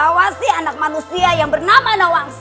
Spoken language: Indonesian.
awasi anak manusia yang bernama nawangsa